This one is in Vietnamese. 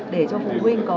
để cho phụ huynh có